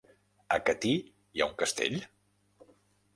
A Catí hi ha un castell?